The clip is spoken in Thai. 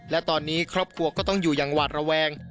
และตอนนี้ครอบครัวก็ต้องอยู่อย่างหวาดระแวง